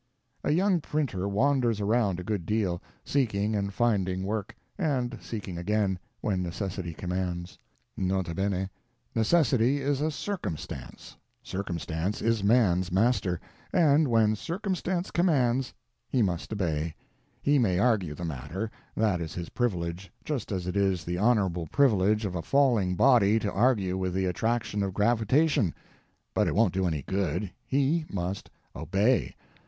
A young printer wanders around a good deal, seeking and finding work; and seeking again, when necessity commands. N. B. Necessity is a CIRCUMSTANCE; Circumstance is man's master—and when Circumstance commands, he must obey; he may argue the matter—that is his privilege, just as it is the honorable privilege of a falling body to argue with the attraction of gravitation—but it won't do any good, he must OBEY.